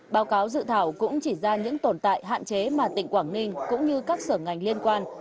báo cáo dự thảo cũng chỉ ra những tồn tại hạn chế mà tỉnh quảng ninh cũng như các sở ngành liên quan